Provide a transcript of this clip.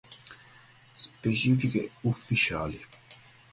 Specifiche ufficiali.